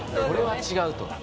これは違うと。